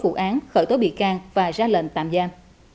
với vụ án khởi tốt bị can và ra lệnh tạm giam